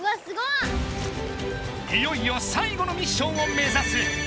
いよいよ最後のミッションをめざす！